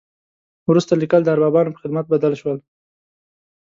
وروسته لیکل د اربابانو په خدمت بدل شول.